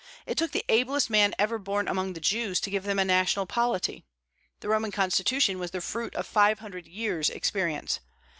It took the ablest man ever born among the Jews to give to them a national polity. The Roman constitution was the fruit of five hundred years' experience.